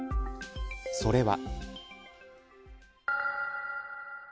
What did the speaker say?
それは。